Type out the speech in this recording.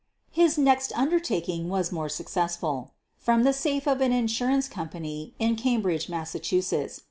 His next undertaking was more successful. Prom the safe of an insurance company in Cambridge, Mass.